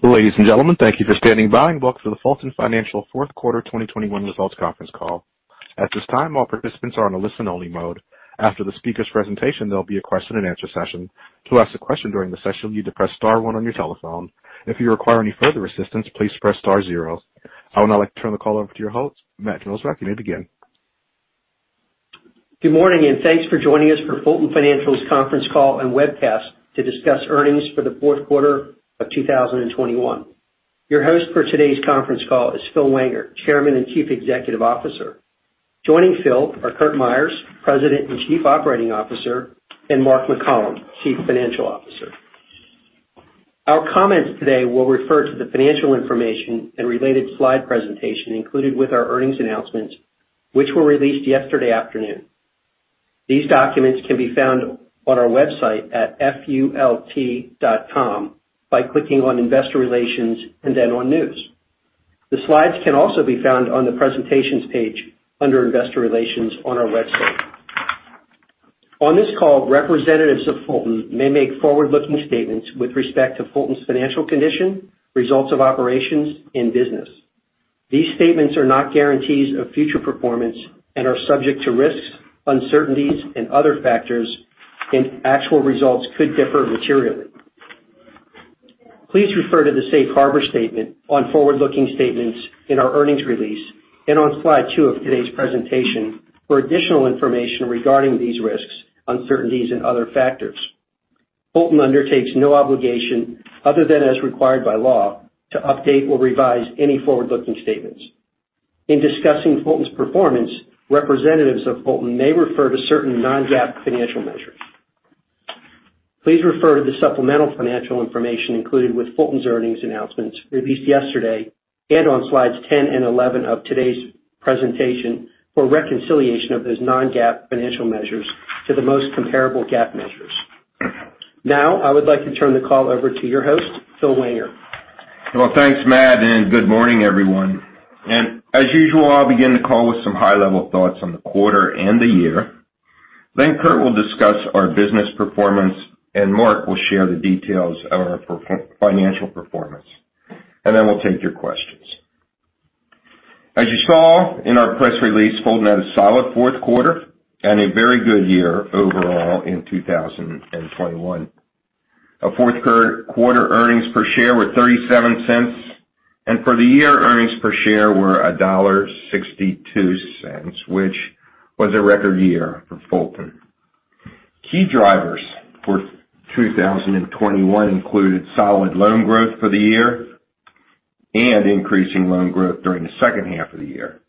Ladies and gentlemen, thank you for standing by and welcome to the Fulton Financial Fourth Quarter 2021 Results Conference Call. At this time, all participants are in a listen-only mode. After the speaker's presentation, there'll be a question and answer session. To ask a question during the session, you depress star one on your telephone. If you require any further assistance, please press star zero. I would now like to turn the call over to your host, Matt Jozwiak. You may begin. Good morning, and thanks for joining us for Fulton Financial's Conference Call and Webcast to Discuss Earnings for the Fourth Quarter of 2021. Your host for today's conference call is Phil Wenger, Chairman and Chief Executive Officer. Joining Phil are Curt Myers, President and Chief Operating Officer, and Mark McCollom, Chief Financial Officer. Our comments today will refer to the financial information and related slide presentation included with our earnings announcements, which were released yesterday afternoon. These documents can be found on our website at fult.com by clicking on Investor Relations and then on News. The slides can also be found on the presentations page under Investor Relations on our website. On this call, representatives of Fulton may make forward-looking statements with respect to Fulton's financial condition, results of operations, and business. These statements are not guarantees of future performance and are subject to risks, uncertainties, and other factors, and actual results could differ materially. Please refer to the safe harbor statement on forward-looking statements in our earnings release and on slide two of today's presentation for additional information regarding these risks, uncertainties, and other factors. Fulton undertakes no obligation other than as required by law to update or revise any forward-looking statements. In discussing Fulton's performance, representatives of Fulton may refer to certain non-GAAP financial measures. Please refer to the supplemental financial information included with Fulton's earnings announcements released yesterday and on slides 10 and 11 of today's presentation for reconciliation of those non-GAAP financial measures to the most comparable GAAP measures. Now, I would like to turn the call over to your host, Phil Wenger. Well, thanks, Matt, and good morning, everyone. As usual, I'll begin the call with some high-level thoughts on the quarter and the year. Then Curt will discuss our business performance, and Mark will share the details of our financial performance, and then we'll take your questions. As you saw in our press release, Fulton had a solid fourth quarter and a very good year overall in 2021. Our fourth quarter earnings per share were $0.37, and for the year, earnings per share were $1.62, which was a record year for Fulton. Key drivers for 2021 included solid loan growth for the year and increasing loan growth during the second half of the year.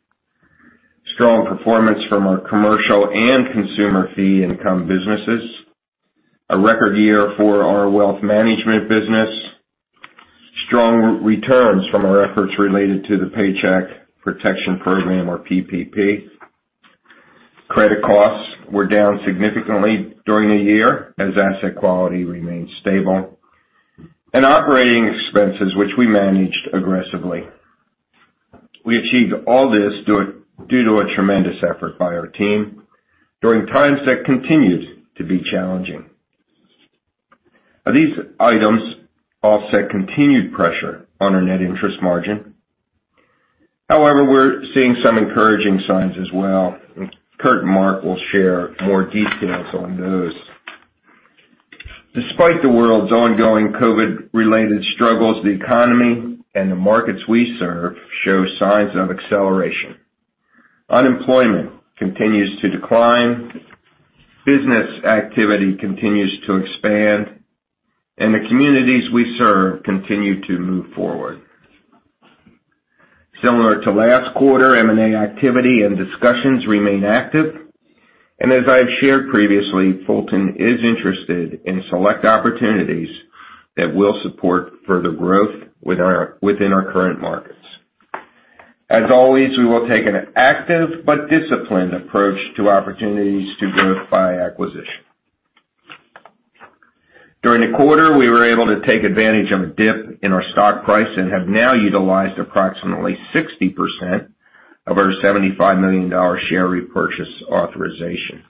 Strong performance from our commercial and consumer fee income businesses. A record year for our wealth management business. Strong returns from our efforts related to the Paycheck Protection Program or PPP. Credit costs were down significantly during the year as asset quality remained stable. Operating expenses, which we managed aggressively. We achieved all this due to a tremendous effort by our team during times that continues to be challenging. These items offset continued pressure on our net interest margin. However, we're seeing some encouraging signs as well. Curt and Mark will share more details on those. Despite the world's ongoing COVID-related struggles, the economy and the markets we serve show signs of acceleration. Unemployment continues to decline, business activity continues to expand, and the communities we serve continue to move forward. Similar to last quarter, M&A activity and discussions remain active. As I've shared previously, Fulton is interested in select opportunities that will support further growth within our current markets. As always, we will take an active but disciplined approach to opportunities to grow by acquisition. During the quarter, we were able to take advantage of a dip in our stock price and have now utilized approximately 60% of our $75 million share repurchase authorization.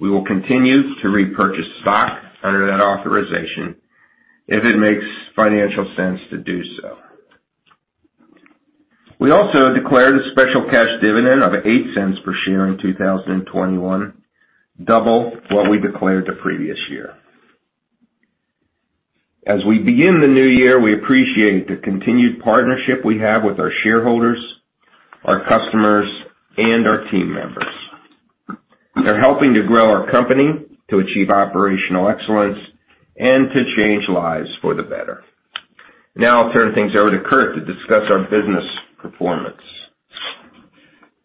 We will continue to repurchase stock under that authorization if it makes financial sense to do so. We also declared a special cash dividend of $0.08 per share in 2021, double what we declared the previous year. As we begin the new year, we appreciate the continued partnership we have with our shareholders, our customers, and our team members. They're helping to grow our company, to achieve operational excellence, and to change lives for the better. Now I'll turn things over to Curt to discuss our business performance.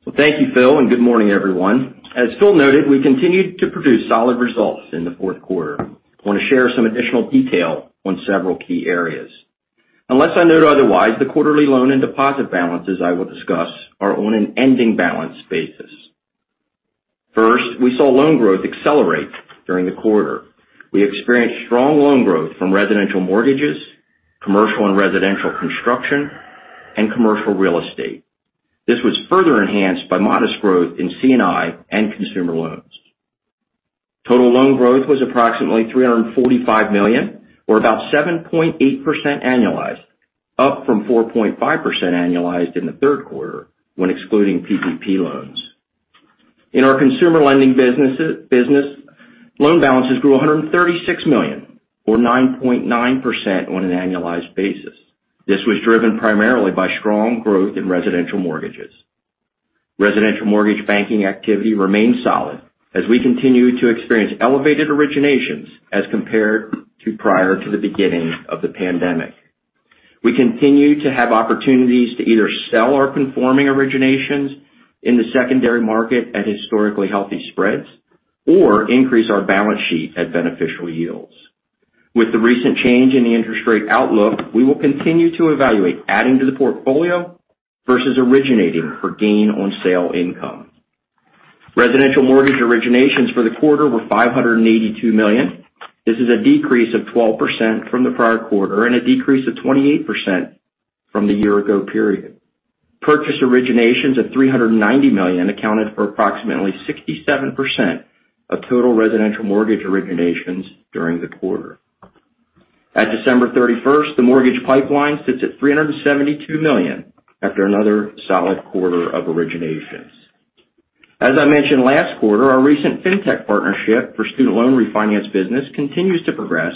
Well, thank you, Phil, and good morning, everyone. As Phil noted, we continued to produce solid results in the fourth quarter. I want to share some additional detail on several key areas. Unless I note otherwise, the quarterly loan and deposit balances I will discuss are on an ending balance basis. First, we saw loan growth accelerate during the quarter. We experienced strong loan growth from residential mortgages, commercial and residential construction, and commercial real estate. This was further enhanced by modest growth in C&I and consumer loans. Total loan growth was approximately $345 million, or about 7.8% annualized, up from 4.5% annualized in the third quarter when excluding PPP loans. In our consumer lending business, loan balances grew $136 million or 9.9% on an annualized basis. This was driven primarily by strong growth in residential mortgages. Residential mortgage banking activity remains solid as we continue to experience elevated originations as compared to prior to the beginning of the pandemic. We continue to have opportunities to either sell our conforming originations in the secondary market at historically healthy spreads or increase our balance sheet at beneficial yields. With the recent change in the interest rate outlook, we will continue to evaluate adding to the portfolio versus originating for gain on sale income. Residential mortgage originations for the quarter were $582 million. This is a decrease of 12% from the prior quarter and a decrease of 28% from the year ago period. Purchase originations of $390 million accounted for approximately 67% of total residential mortgage originations during the quarter. At December 31, the mortgage pipeline sits at $372 million after another solid quarter of originations. As I mentioned last quarter, our recent Fintech partnership for student loan refinance business continues to progress,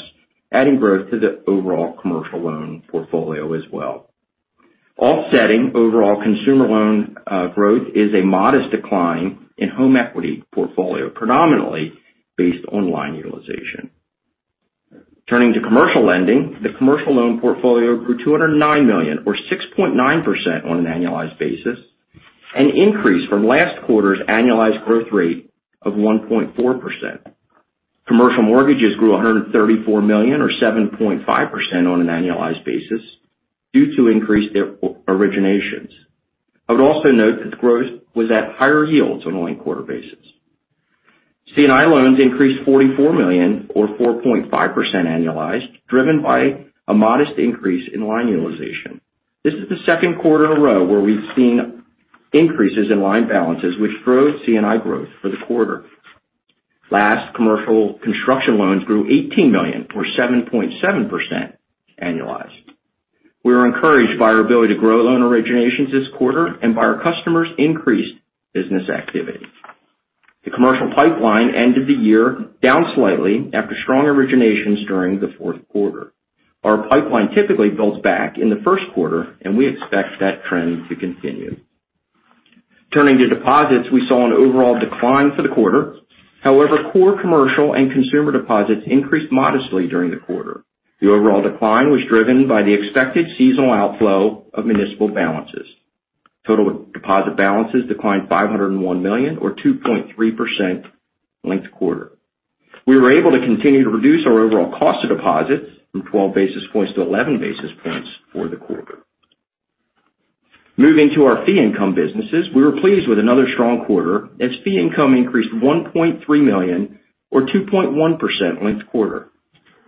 adding growth to the overall commercial loan portfolio as well. Offsetting overall consumer loan growth is a modest decline in home equity portfolio, predominantly based on line utilization. Turning to commercial lending, the commercial loan portfolio grew $209 million or 6.9% on an annualized basis, an increase from last quarter's annualized growth rate of 1.4%. Commercial mortgages grew $134 million or 7.5% on an annualized basis due to increased originations. I would also note that growth was at higher yields on a linked quarter basis. C&I loans increased $44 million or 4.5% annualized, driven by a modest increase in line utilization. This is the second quarter in a row where we've seen increases in line balances which drove C&I growth for the quarter. Last, commercial construction loans grew $18 million or 7.7% annualized. We are encouraged by our ability to grow loan originations this quarter and by our customers' increased business activity. The commercial pipeline ended the year down slightly after strong originations during the fourth quarter. Our pipeline typically builds back in the first quarter, and we expect that trend to continue. Turning to deposits, we saw an overall decline for the quarter. However, core commercial and consumer deposits increased modestly during the quarter. The overall decline was driven by the expected seasonal outflow of municipal balances. Total deposit balances declined $501 million or 2.3% linked-quarter. We were able to continue to reduce our overall cost of deposits from 12 basis points to 11 basis points for the quarter. Moving to our fee income businesses, we were pleased with another strong quarter as fee income increased $1.3 million or 2.1% linked-quarter.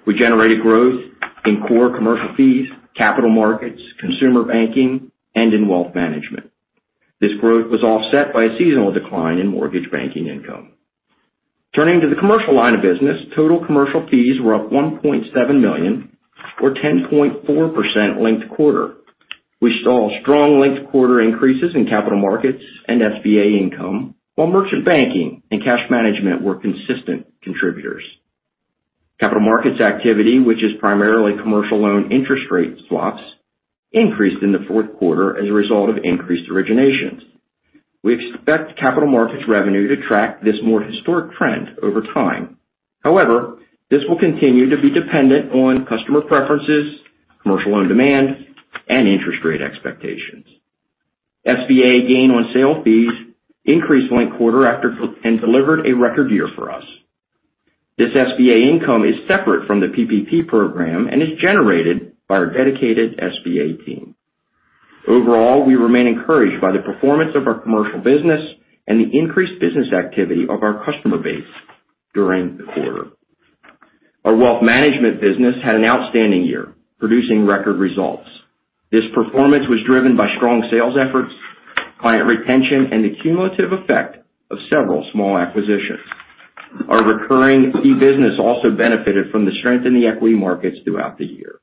We generated growth in core commercial fees, capital markets, consumer banking, and in wealth management. This growth was offset by a seasonal decline in mortgage banking income. Turning to the commercial line of business, total commercial fees were up $1.7 million or 10.4% linked-quarter. We saw strong linked-quarter increases in capital markets and SBA income, while merchant banking and cash management were consistent contributors. Capital markets activity, which is primarily commercial loan interest rate swaps, increased in the fourth quarter as a result of increased originations. We expect capital markets revenue to track this more historic trend over time. However, this will continue to be dependent on customer preferences, commercial loan demand, and interest rate expectations. SBA gain on sale fees increased linked quarter and delivered a record year for us. This SBA income is separate from the PPP program and is generated by our dedicated SBA team. Overall, we remain encouraged by the performance of our commercial business and the increased business activity of our customer base during the quarter. Our wealth management business had an outstanding year, producing record results. This performance was driven by strong sales efforts, client retention, and the cumulative effect of several small acquisitions. Our recurring fee business also benefited from the strength in the equity markets throughout the year.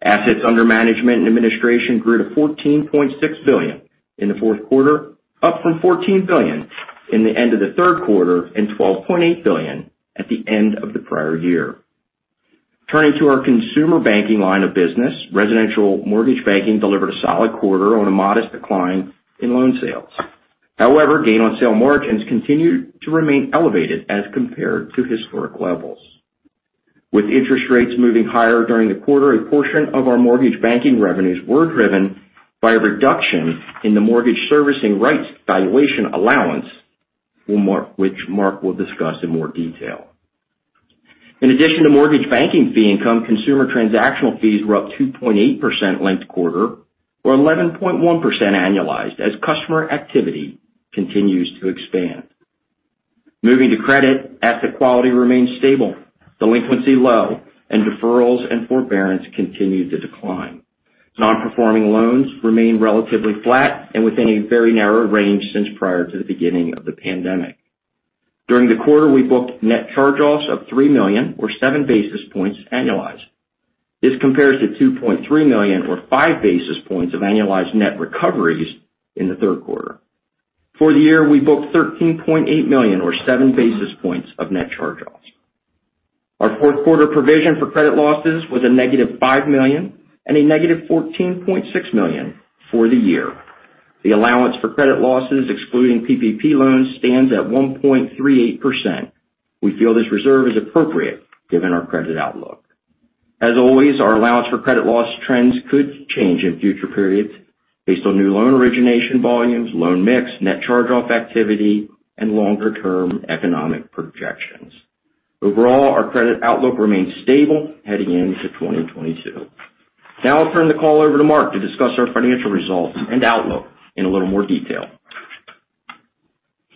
Assets under management and administration grew to $14.6 billion in the fourth quarter, up from $14 billion at the end of the third quarter and $12.8 billion at the end of the prior year. Turning to our consumer banking line of business, residential mortgage banking delivered a solid quarter on a modest decline in loan sales. However, gain on sale margins continued to remain elevated as compared to historic levels. With interest rates moving higher during the quarter, a portion of our mortgage banking revenues were driven by a reduction in the mortgage servicing rights valuation allowance, which Mark will discuss in more detail. In addition to mortgage banking fee income, consumer transactional fees were up 2.8% linked quarter or 11.1% annualized as customer activity continues to expand. Moving to credit, asset quality remains stable, delinquency low, and deferrals and forbearance continue to decline. Non-performing loans remain relatively flat and within a very narrow range since prior to the beginning of the pandemic. During the quarter, we booked net charge-offs of $3 million or seven basis points annualized. This compares to $2.3 million or five basis points of annualized net recoveries in the third quarter. For the year, we booked $13.8 million or seven basis points of net charge-offs. Our fourth quarter provision for credit losses was -$5 million and -$14.6 million for the year. The allowance for credit losses excluding PPP loans stands at 1.38%. We feel this reserve is appropriate given our credit outlook. As always, our allowance for credit losses trends could change in future periods based on new loan origination volumes, loan mix, net charge-off activity, and longer-term economic projections. Overall, our credit outlook remains stable heading into 2022. Now I'll turn the call over to Mark to discuss our financial results and outlook in a little more detail.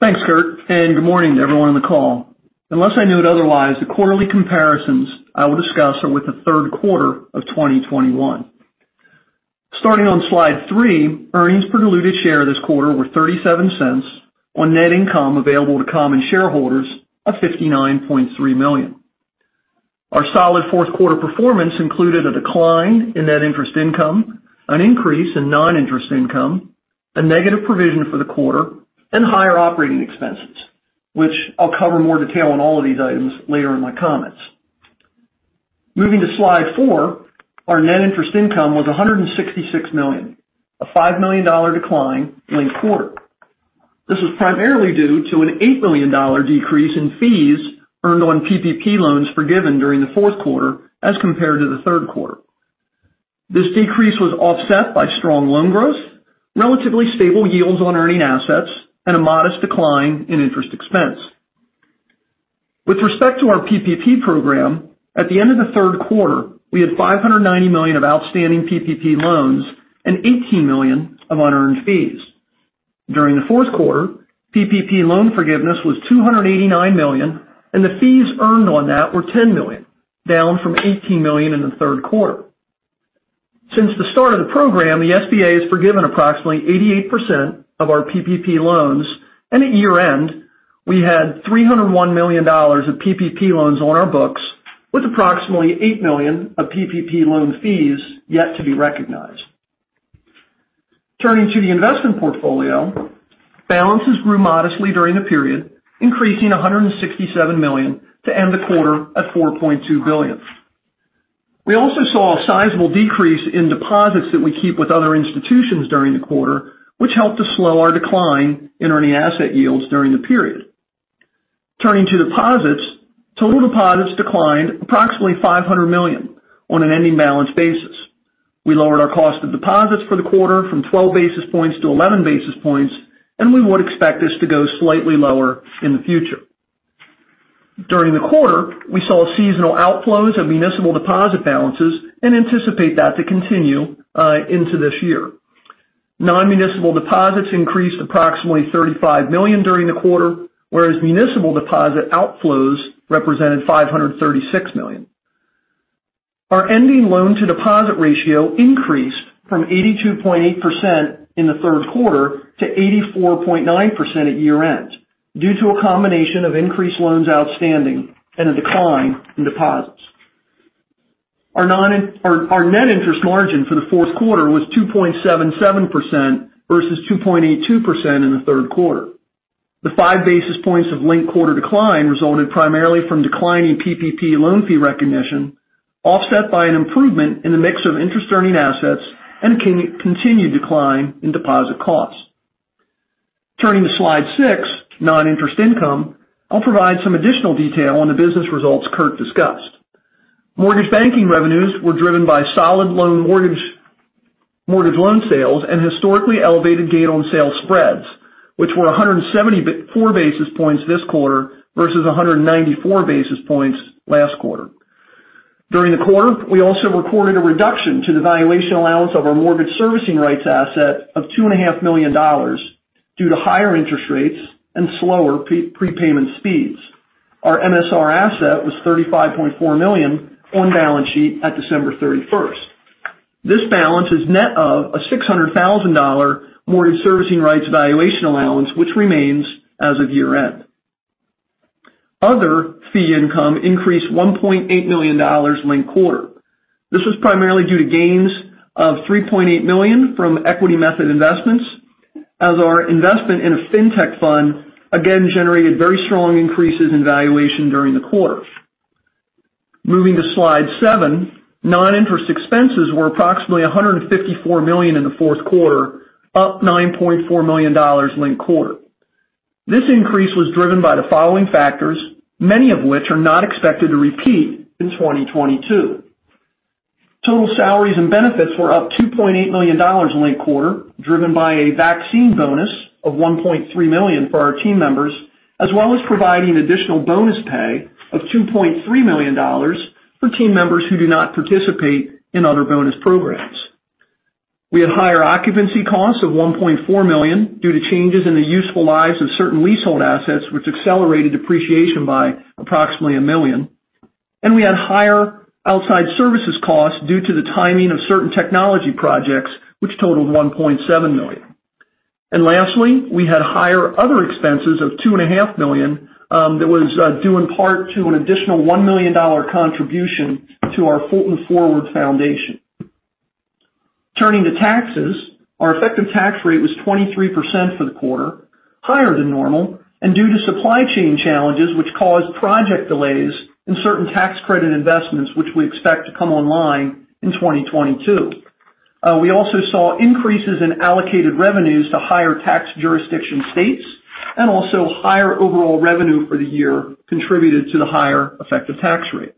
Thanks, Curt, and good morning to everyone on the call. Unless I note otherwise, the quarterly comparisons I will discuss are with the third quarter of 2021. Starting on slide three, earnings per diluted share this quarter were $0.37 on net income available to common shareholders of $59.3 million. Our solid fourth quarter performance included a decline in net interest income, an increase in non-interest income, a negative provision for the quarter, and higher operating expenses, which I'll cover more detail on all of these items later in my comments. Moving to slide four, our net interest income was $166 million, a $5 million decline linked quarter. This was primarily due to an $8 million decrease in fees earned on PPP loans forgiven during the fourth quarter as compared to the third quarter. This decrease was offset by strong loan growth, relatively stable yields on earning assets, and a modest decline in interest expense. With respect to our PPP program, at the end of the third quarter, we had $590 million of outstanding PPP loans and $18 million of unearned fees. During the fourth quarter, PPP loan forgiveness was $289 million, and the fees earned on that were $10 million, down from $18 million in the third quarter. Since the start of the program, the SBA has forgiven approximately 88% of our PPP loans, and at year-end, we had $301 million of PPP loans on our books with approximately $8 million of PPP loan fees yet to be recognized. Turning to the investment portfolio, balances grew modestly during the period, increasing $167 million to end the quarter at $4.2 billion. We also saw a sizable decrease in deposits that we keep with other institutions during the quarter, which helped to slow our decline in earning asset yields during the period. Turning to deposits, total deposits declined approximately $500 million on an ending balance basis. We lowered our cost of deposits for the quarter from 12 basis points to 11 basis points, and we would expect this to go slightly lower in the future. During the quarter, we saw seasonal outflows of municipal deposit balances and anticipate that to continue into this year. Non-municipal deposits increased approximately $35 million during the quarter, whereas municipal deposit outflows represented $536 million. Our ending loan to deposit ratio increased from 82.8% in the third quarter to 84.9% at year-end due to a combination of increased loans outstanding and a decline in deposits. Our net interest margin for the fourth quarter was 2.77% versus 2.82% in the third quarter. The five basis points of linked quarter decline resulted primarily from declining PPP loan fee recognition, offset by an improvement in the mix of interest earning assets and continued decline in deposit costs. Turning to slide six, non-interest income, I'll provide some additional detail on the business results Curt discussed. Mortgage banking revenues were driven by solid mortgage loan sales and historically elevated gain on sale spreads, which were 174 basis points this quarter versus 194 basis points last quarter. During the quarter, we also recorded a reduction to the valuation allowance of our mortgage servicing rights asset of $2.5 million due to higher interest rates and slower prepayment speeds. Our MSR asset was $35.4 million on balance sheet at December 31. This balance is net of a $600,000 mortgage servicing rights valuation allowance, which remains as of year-end. Other fee income increased $1.8 million linked quarter. This was primarily due to gains of $3.8 million from equity method investments as our investment in a fintech fund again generated very strong increases in valuation during the quarter. Moving to slide seven, non-interest expenses were approximately $154 million in the fourth quarter, up $9.4 million linked quarter. This increase was driven by the following factors, many of which are not expected to repeat in 2022. Total salaries and benefits were up $2.8 million linked quarter, driven by a vaccine bonus of $1.3 million for our team members, as well as providing additional bonus pay of $2.3 million for team members who do not participate in other bonus programs. We had higher occupancy costs of $1.4 million due to changes in the useful lives of certain leasehold assets, which accelerated depreciation by approximately $1 million. We had higher outside services costs due to the timing of certain technology projects, which totaled $1.7 million. Lastly, we had higher other expenses of $2.5 million, that was due in part to an additional $1 million contribution to our Fulton Forward Foundation. Turning to taxes, our effective tax rate was 23% for the quarter, higher than normal, and due to supply chain challenges which caused project delays in certain tax credit investments which we expect to come online in 2022. We also saw increases in allocated revenues to higher tax jurisdiction states and also higher overall revenue for the year contributed to the higher effective tax rate.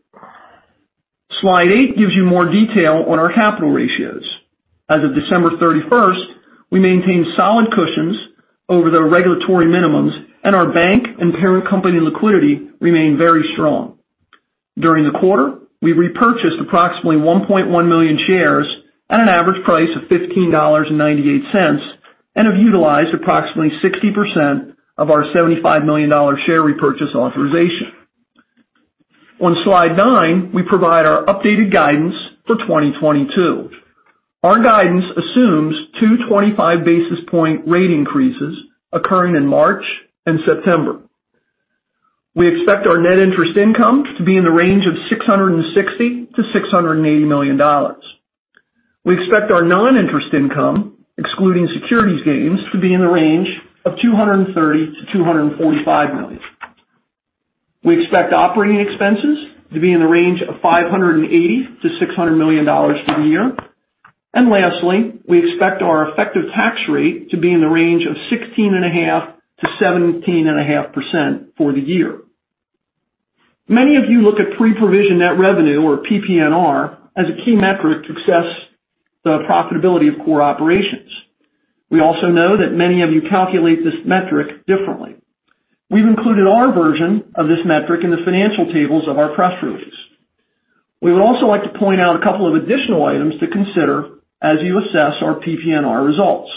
Slide eight gives you more detail on our capital ratios. As of December 31, we maintained solid cushions over the regulatory minimums, and our bank and parent company liquidity remained very strong. During the quarter, we repurchased approximately 1.1 million shares at an average price of $15.98, and have utilized approximately 60% of our $75 million share repurchase authorization. On slide nine, we provide our updated guidance for 2022. Our guidance assumes two 25 basis point rate increases occurring in March and September. We expect our net interest income to be in the range of $660 million-$680 million. We expect our non-interest income, excluding securities gains, to be in the range of $230 million-$245 million. We expect operating expenses to be in the range of $580 million-$600 million for the year. Lastly, we expect our effective tax rate to be in the range of 16.5%-17.5% for the year. Many of you look at pre-provision net revenue or PPNR as a key metric to assess the profitability of core operations. We also know that many of you calculate this metric differently. We've included our version of this metric in the financial tables of our press release. We would also like to point out a couple of additional items to consider as you assess our PPNR results.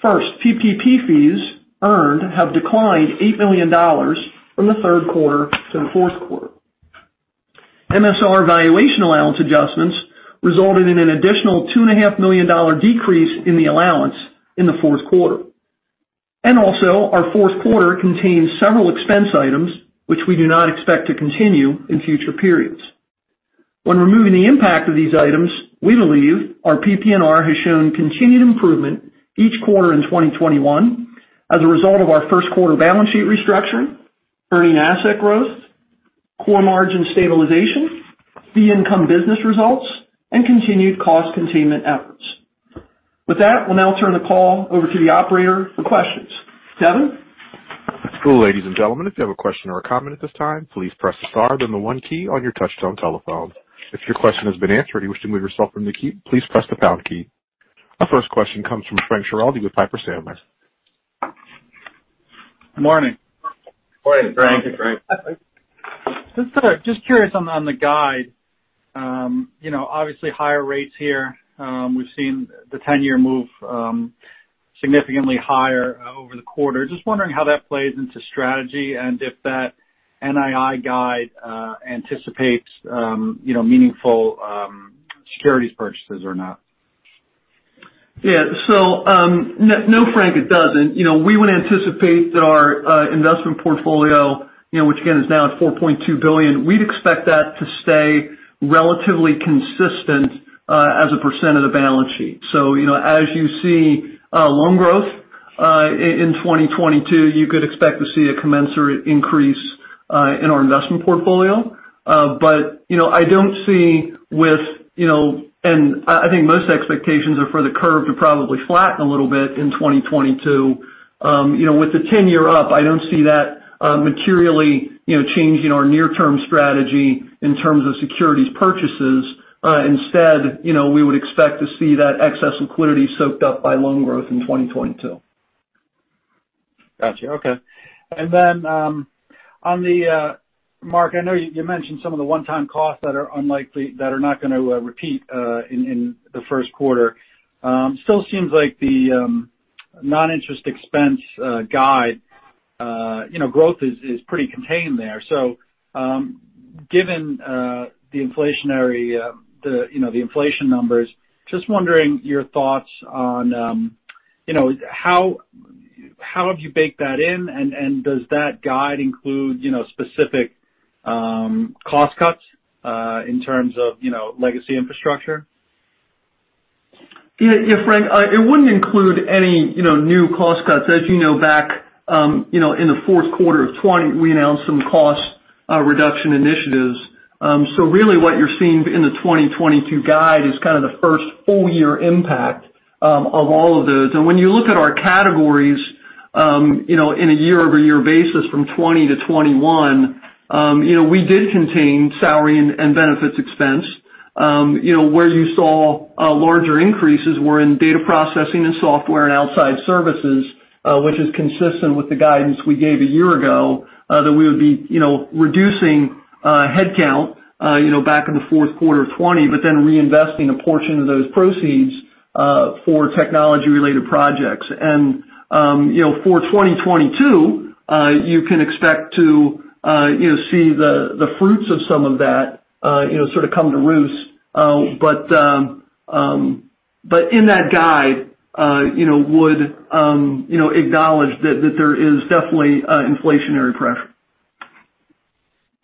First, PPP fees earned have declined $8 million from the third quarter to the fourth quarter. MSR valuation allowance adjustments resulted in an additional $2.5 million decrease in the allowance in the fourth quarter. Our fourth quarter contains several expense items which we do not expect to continue in future periods. When removing the impact of these items, we believe our PPNR has shown continued improvement each quarter in 2021 as a result of our first quarter balance sheet restructuring, earning asset growth, core margin stabilization, fee income business results, and continued cost containment efforts. With that, we'll now turn the call over to the operator for questions. Devin? Hello, ladies and gentlemen. If you have a question or a comment at this time, please press the star then the one key on your touchtone telephone. If your question has been answered and you wish to remove yourself from the queue, please press the pound key. Our first question comes from Frank Schiraldi with Piper Sandler. Morning. Morning, Frank. Thank you, Frank. Just curious on the guide. You know, obviously higher rates here. We've seen the 10-year move significantly higher over the quarter. Just wondering how that plays into strategy and if that NII guide anticipates, you know, meaningful securities purchases or not. Yeah. No, Frank, it doesn't. You know, we would anticipate that our investment portfolio, you know, which again is now at $4.2 billion, we'd expect that to stay relatively consistent as a percent of the balance sheet. You know, as you see loan growth in 2022, you could expect to see a commensurate increase in our investment portfolio. I don't see with, you know, and I think most expectations are for the curve to probably flatten a little bit in 2022. You know, with the 10-year up, I don't see that materially, you know, changing our near-term strategy in terms of securities purchases. Instead, you know, we would expect to see that excess liquidity soaked up by loan growth in 2022. Gotcha. Okay. Then, on the... Mark, I know you mentioned some of the one-time costs that are unlikely, that are not gonna repeat in the first quarter. Still seems like the non-interest expense guide, you know, growth is pretty contained there. Given the inflationary, the, you know, the inflation numbers, just wondering your thoughts on, you know, how have you baked that in and does that guide include, you know, specific cost cuts in terms of, you know, legacy infrastructure? Yeah. Yeah, Frank, it wouldn't include any, you know, new cost cuts. As you know, back in the fourth quarter of 2020, we announced some cost reduction initiatives. So really what you're seeing in the 2022 guide is kind of the first full-year impact of all of those. When you look at our categories, you know, in a year-over-year basis from 2020 to 2021, you know, we did contain salary and benefits expense. You know, where you saw larger increases were in data processing and software and outside services, which is consistent with the guidance we gave a year ago, that we would be, you know, reducing headcount. Back in the fourth quarter of 2020, but then reinvesting a portion of those proceeds for technology related projects. For 2022, you can expect to you know, see the fruits of some of that, you know, sort of come to roost. In that guide, you know, would acknowledge that there is definitely inflationary pressure.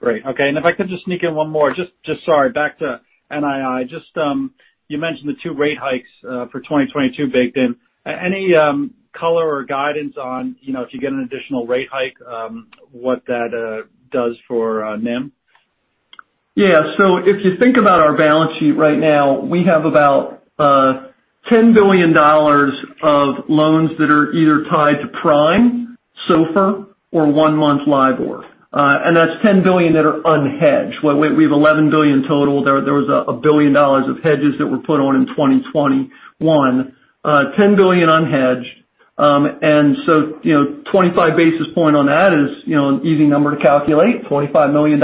Great. Okay. If I could just sneak in one more. Just sorry. Back to NII. Just, you mentioned the two rate hikes for 2022 baked in. Any color or guidance on, you know, if you get an additional rate hike, what that does for NIM? Yeah. If you think about our balance sheet right now, we have about $10 billion of loans that are either tied to prime, SOFR or one-month LIBOR. And that's $10 billion that are unhedged. We have $11 billion total. There was $1 billion of hedges that were put on in 2021. $10 billion unhedged. You know, 25 basis points on that is, you know, an easy number to calculate, $25 million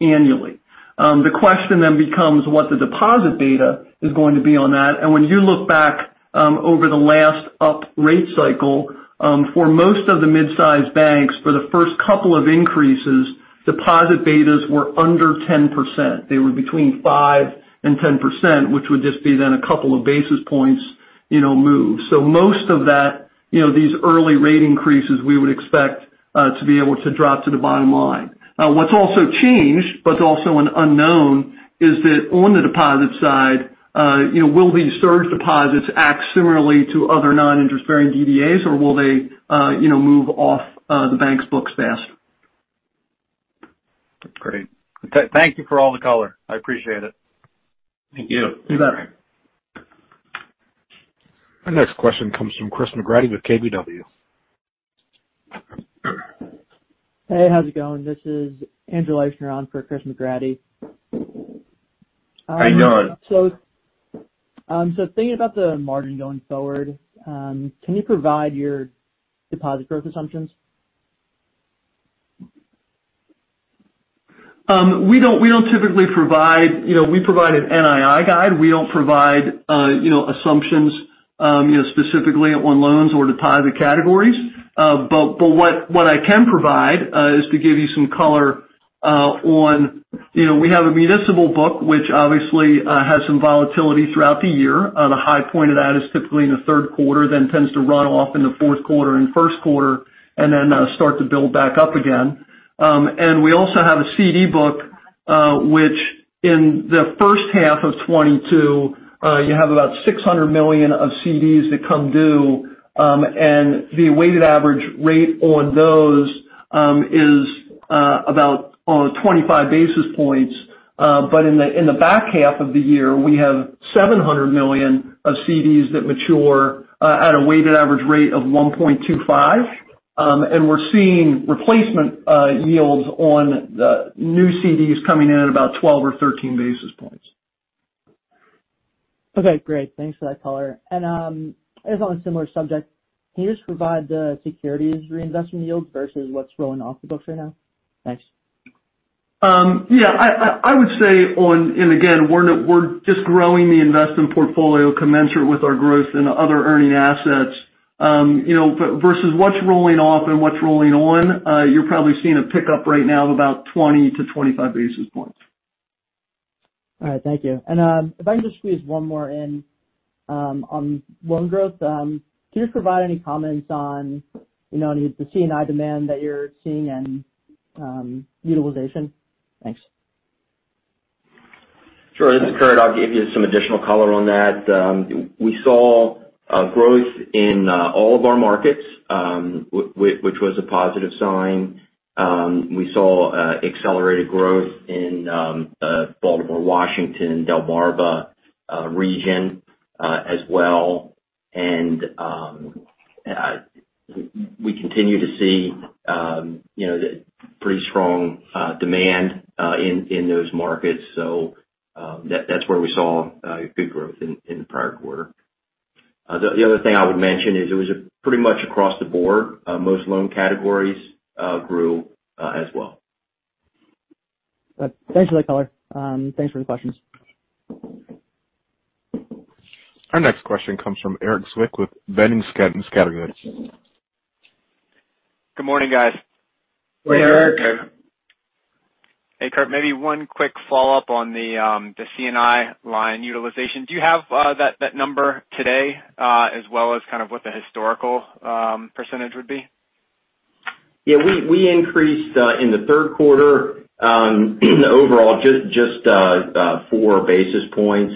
annually. The question then becomes what the deposit beta is going to be on that. When you look back over the last up-rate cycle, for most of the mid-sized banks for the first couple of increases, deposit betas were under 10%. They were between 5% and 10%, which would just be then a couple of basis points, you know, move. Most of that, you know, these early rate increases, we would expect to be able to drop to the bottom line. What's also changed, but also an unknown, is that on the deposit side, you know, will these surge deposits act similarly to other non-interest-bearing DDAs? Or will they, you know, move off the bank's books faster? Great. Thank you for all the color. I appreciate it. Thank you. You bet. Our next question comes from Chris McGratty with KBW. Hey, how's it going? This is Andrew Leischner on for Chris McGratty. How you doing? thinking about the margin going forward, can you provide your deposit growth assumptions? We don't typically provide. We provide an NII guide. We don't provide you know assumptions you know specifically on loans or to tie the categories. What I can provide is to give you some color on you know we have a municipal book, which obviously has some volatility throughout the year. The high point of that is typically in the third quarter, then tends to run off in the fourth quarter and first quarter and then start to build back up again. We also have a CD book which in the first half of 2022 you have about $600 million of CDs that come due. The weighted average rate on those is about 25 basis points. In the back half of the year, we have $700 million of CDs that mature at a weighted average rate of 1.25%. We're seeing replacement yields on the new CDs coming in at about 12 or 13 basis points. Okay, great. Thanks for that color. I just on a similar subject, can you just provide the securities reinvestment yields versus what's rolling off the books right now? Thanks. Yeah. I would say, and again, we're just growing the investment portfolio commensurate with our growth in other earning assets. You know, but versus what's rolling off and what's rolling on, you're probably seeing a pickup right now of about 20-25 basis points. All right. Thank you. If I can just squeeze one more in, on loan growth. Can you provide any comments on, you know, the C&I demand that you're seeing and, utilization? Thanks. Sure. This is Curt. I'll give you some additional color on that. We saw growth in all of our markets, which was a positive sign. We saw accelerated growth in Baltimore, Washington, Delmarva region, as well. We continue to see, you know, pretty strong demand in those markets. That's where we saw good growth in the prior quarter. The other thing I would mention is it was pretty much across the board, most loan categories grew, as well. That's useful color. Thanks for the questions. Our next question comes from Erik Zwick with Boenning & Scattergood. Good morning, guys. Good morning, Erik. Hey, Curt, maybe one quick follow-up on the C&I line utilization. Do you have that number today, as well as kind of what the historical percentage would be? Yeah. We increased in the third quarter overall just 4 basis points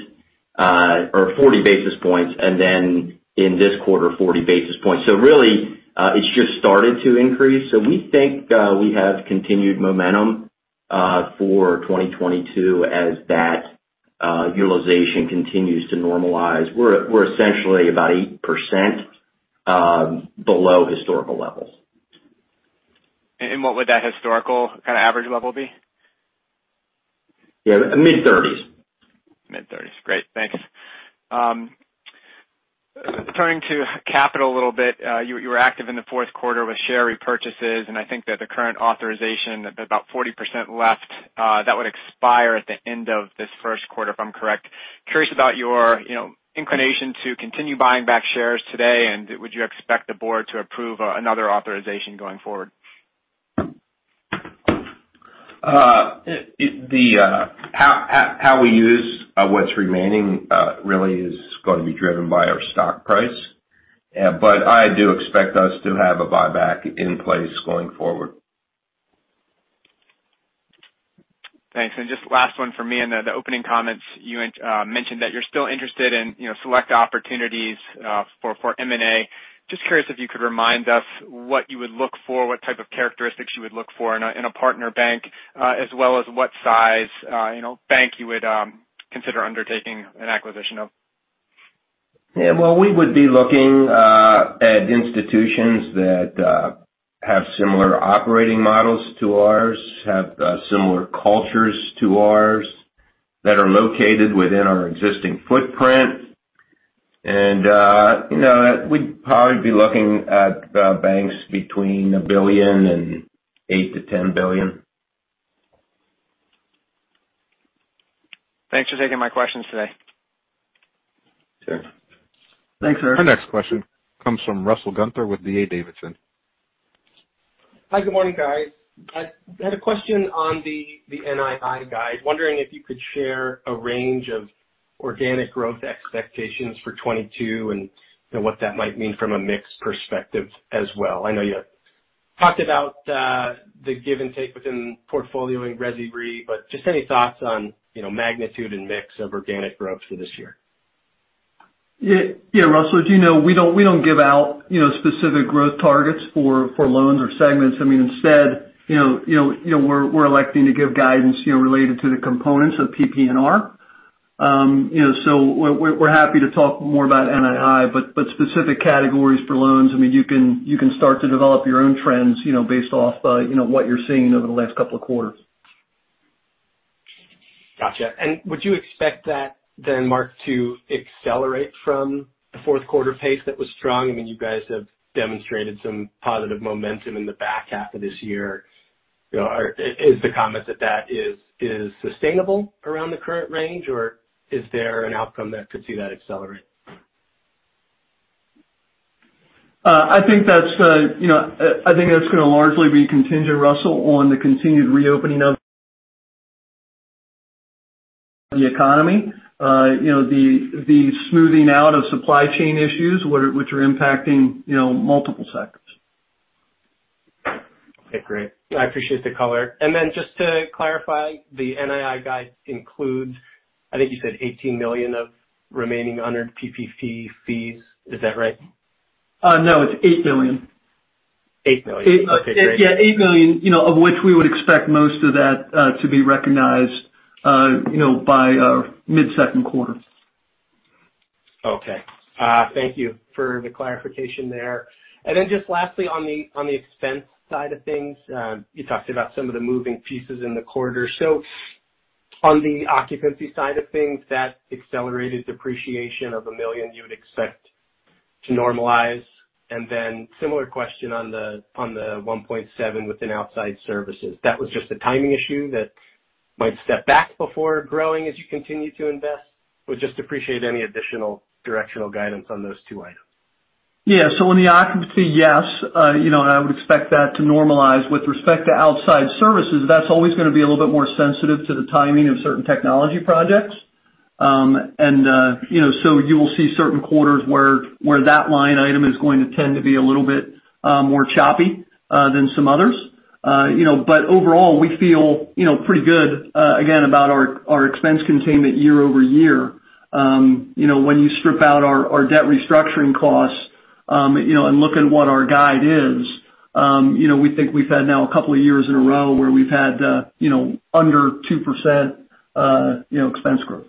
or 40 basis points, and then in this quarter, 40 basis points. Really, it's just started to increase. We think we have continued momentum for 2022 as that utilization continues to normalize. We're essentially about 8% below historical levels. What would that historical kind of average level be? Yeah, mid-30s. Mid-30s. Great. Thanks. Turning to capital a little bit. You were active in the fourth quarter with share repurchases, and I think that the current authorization, about 40% left, that would expire at the end of this first quarter, if I'm correct. Curious about your, you know, inclination to continue buying back shares today, and would you expect the board to approve another authorization going forward? How we use what's remaining really is gonna be driven by our stock price. I do expect us to have a buyback in place going forward. Thanks. Just last one for me. In the opening comments you mentioned that you're still interested in, you know, select opportunities, for M&A. Just curious if you could remind us what you would look for, what type of characteristics you would look for in a partner bank, as well as what size, you know, bank you would consider undertaking an acquisition of. Yeah. Well, we would be looking at institutions that have similar operating models to ours, have similar cultures to ours, that are located within our existing footprint. You know, we'd probably be looking at banks between $1 billion and $8-$10 billion. Thanks for taking my questions today. Sure. Thanks. Our next question comes from Russell Gunther with D.A. Davidson. Hi. Good morning, guys. I had a question on the NII guide. Wondering if you could share a range of organic growth expectations for 2022 and, you know, what that might mean from a mix perspective as well. I know you talked about the give and take within portfolio and resi bre, but just any thoughts on, you know, magnitude and mix of organic growth for this year. Yeah, Russell, as you know, we don't give out, you know, specific growth targets for loans or segments. I mean, instead, you know, we're electing to give guidance, you know, related to the components of PPNR. We're happy to talk more about NII, but specific categories for loans, I mean, you can start to develop your own trends, you know, based off, you know, what you're seeing over the last couple of quarters. Gotcha. Would you expect that then, Mark, to accelerate from the fourth quarter pace that was strong? I mean, you guys have demonstrated some positive momentum in the back half of this year. You know, is the comment that is sustainable around the current range, or is there an outcome that could see that accelerate? I think that's gonna largely be contingent, Russell, on the continued reopening of the economy, the smoothing out of supply chain issues, which are impacting, you know, multiple sectors. Okay, great. I appreciate the color. Just to clarify, the NII guide includes, I think you said $18 million of remaining unearned PPP fees. Is that right? No, it's $8 million. $8 million. Eight- Okay, great. Yeah, $8 million, you know, of which we would expect most of that to be recognized, you know, by mid-second quarter. Okay. Thank you for the clarification there. Then just lastly on the expense side of things. You talked about some of the moving pieces in the quarter. On the occupancy side of things, that accelerated depreciation of $1 million you would expect to normalize. Then similar question on the $1.7 million within outside services. That was just a timing issue that might step back before growing as you continue to invest? I would just appreciate any additional directional guidance on those two items. Yeah. On the occupancy, yes, you know, and I would expect that to normalize. With respect to outside services, that's always gonna be a little bit more sensitive to the timing of certain technology projects. You will see certain quarters where that line item is going to tend to be a little bit more choppy than some others. Overall, we feel, you know, pretty good again about our expense containment year-over-year. When you strip out our debt restructuring costs, you know, and look at what our guide is, you know, we think we've had now a couple of years in a row where we've had, you know, under 2%, you know, expense growth.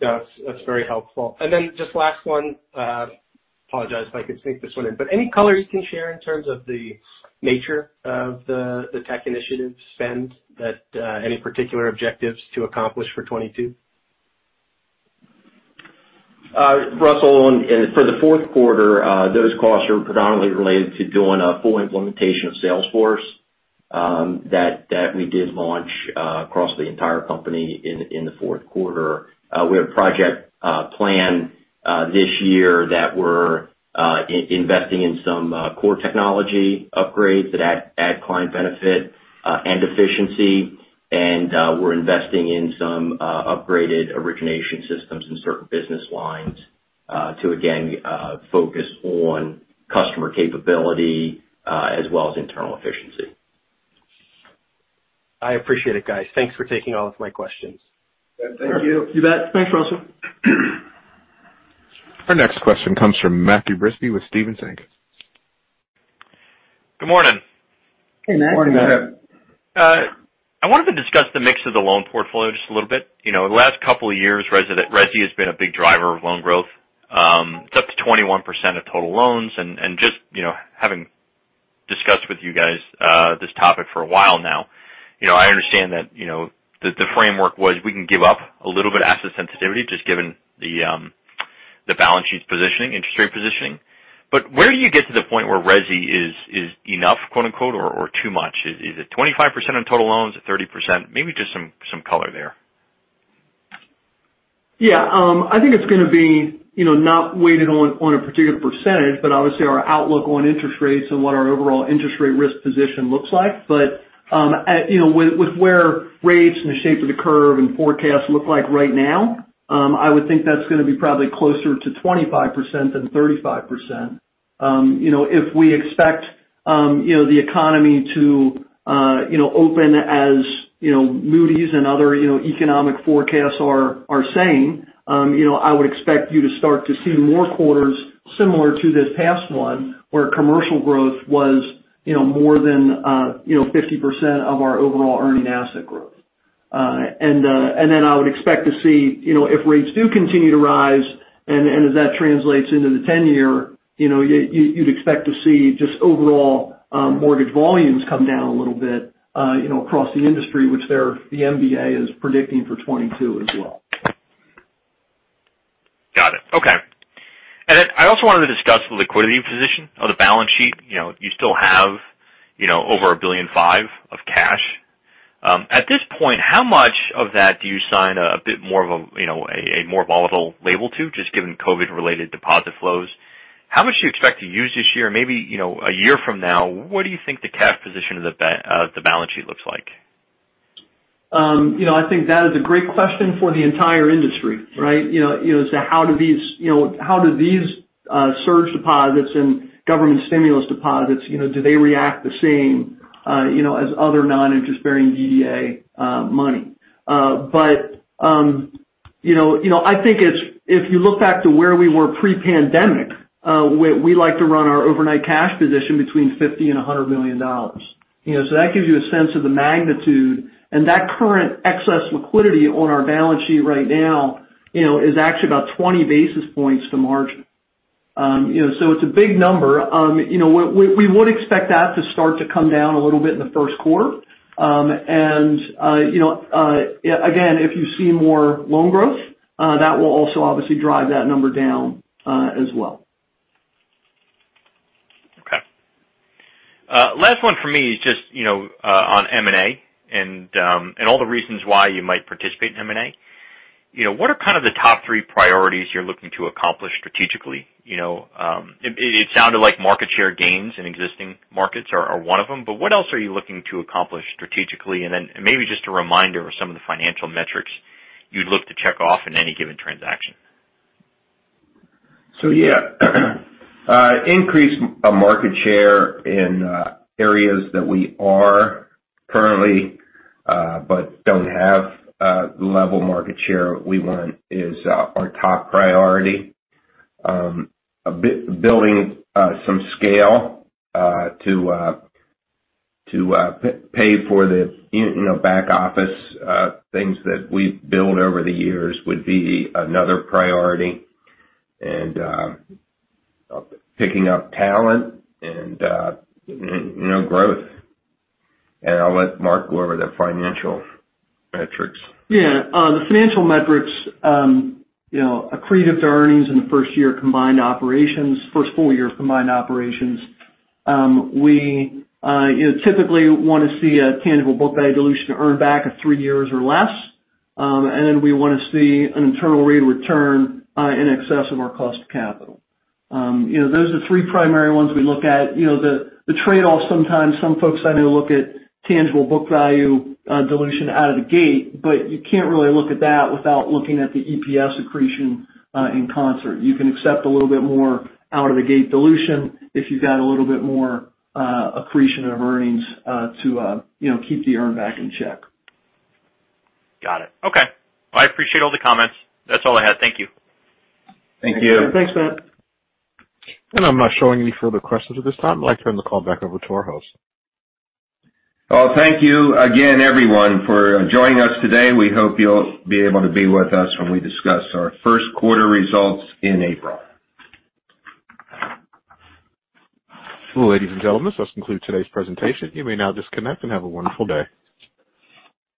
Yeah, that's very helpful. Then just last one. Apologize if I could sneak this one in. Any color you can share in terms of the nature of the tech initiative spend that any particular objectives to accomplish for 2022? Russell, on for the fourth quarter, those costs are predominantly related to doing a full implementation of Salesforce, that we did launch across the entire company in the fourth quarter. We have a project plan this year that we're investing in some core technology upgrades that add client benefit and efficiency. We're investing in some upgraded origination systems in certain business lines to again focus on customer capability as well as internal efficiency. I appreciate it, guys. Thanks for taking all of my questions. Thank you. You bet. Thanks, Russell. Our next question comes from Matthew Breese with Stephens Inc. Good morning. Hey, Matt. Morning, Matt. I wanted to discuss the mix of the loan portfolio just a little bit. You know, the last couple of years, resi has been a big driver of loan growth. It's up to 21% of total loans and just, you know, having discussed with you guys this topic for a while now. You know, I understand that the framework was we can give up a little bit of asset sensitivity just given the balance sheet's positioning, interest rate positioning. Where do you get to the point where resi is enough, quote-unquote, or too much? Is it 25% on total loans? Is it 30%? Maybe just some color there. Yeah. I think it's gonna be, you know, not weighted on a particular percentage, but obviously our outlook on interest rates and what our overall interest rate risk position looks like. You know, with where rates and the shape of the curve and forecasts look like right now, I would think that's gonna be probably closer to 25% than 35%. If we expect, you know, the economy to, you know, open as, you know, Moody's and other, you know, economic forecasts are saying, you know, I would expect you to start to see more quarters similar to this past one, where commercial growth was, you know, more than, you know, 50% of our overall earning asset growth. I would expect to see, you know, if rates do continue to rise and as that translates into the ten-year, you know, you'd expect to see just overall, mortgage volumes come down a little bit, you know, across the industry, which the MBA is predicting for 2022 as well. Got it. Okay. I also wanted to discuss the liquidity position of the balance sheet. You know, you still have, you know, over $1.5 billion of cash. At this point, how much of that do you assign a bit more of a, you know, a more volatile label to, just given COVID-related deposit flows? How much do you expect to use this year? Maybe, you know, a year from now, what do you think the cash position of the balance sheet looks like? I think that is a great question for the entire industry, right? You know, so how do these surge deposits and government stimulus deposits, you know, do they react the same, you know, as other non-interest bearing DDA money? But you know, I think it's, if you look back to where we were pre-pandemic, we like to run our overnight cash position between $50 million-$100 million. That gives you a sense of the magnitude. That current excess liquidity on our balance sheet right now, you know, is actually about 20 basis points to margin. It's a big number. You know, we would expect that to start to come down a little bit in the first quarter. You know, again, if you see more loan growth, that will also obviously drive that number down, as well. Okay. Last one for me is just, you know, on M&A and all the reasons why you might participate in M&A. You know, what are kind of the top three priorities you're looking to accomplish strategically? You know, it sounded like market share gains in existing markets are one of them, but what else are you looking to accomplish strategically? Then maybe just a reminder of some of the financial metrics you'd look to check off in any given transaction. Yeah, increase market share in areas that we are currently in but don't have the level of market share we want is our top priority. Building some scale to pay for the, you know, back office things that we've built over the years would be another priority. Picking up talent and, you know, growth. I'll let Mark McCollom go over the financial metrics. Yeah. The financial metrics, you know, accretive to earnings in the first year combined operations, first full year of combined operations. We, you know, typically want to see a tangible book value dilution to earn back of three years or less. We want to see an internal rate of return in excess of our cost of capital. You know, those are the three primary ones we look at. You know, the trade-off sometimes, some folks tend to look at tangible book value dilution out of the gate, but you can't really look at that without looking at the EPS accretion in concert. You can accept a little bit more out of the gate dilution if you've got a little bit more accretion of earnings to you know, keep the earn back in check. Got it. Okay. I appreciate all the comments. That's all I had. Thank you. Thank you. Thanks, Matt. I'm not showing any further questions at this time. I'd like to turn the call back over to our host. Well, thank you again, everyone, for joining us today. We hope you'll be able to be with us when we discuss our first quarter results in April. Well, ladies and gentlemen, this concludes today's presentation. You may now disconnect. Have a wonderful day.